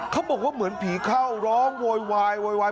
เขาบอกว่าเหมือนผีเข้าร้องโวยวายโวยวาย